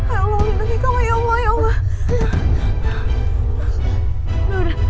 aduh ayolah lindungi kamu ya allah ya allah